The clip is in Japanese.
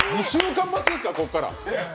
２週間待ちですか、ここから。